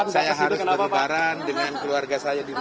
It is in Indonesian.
saya harus berlebaran dengan keluarga saya di rumah